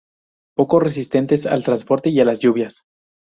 Poco resistentes al transporte, y a las lluvias.